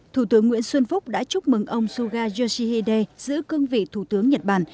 thủ tướng nguyễn xuân phúc đã chúc mừng ông suga yoshihide giữ cương vị thủ tướng nhật bản